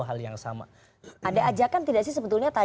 hal yang sama anda ajak kan